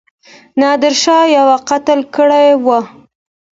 نادرشاه یو قتل کړی وو.